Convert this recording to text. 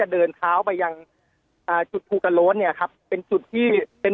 หายจริงหายจริงหายจริงหายจริงหายจริงหายจริงหายจริงหายจริง